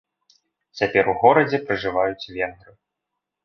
Цяпер у горадзе пражываюць венгры.